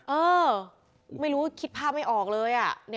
เออไม่รู้คิดภาพไม่ออกเลย